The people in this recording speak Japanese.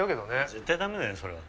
絶対ダメだよそれは。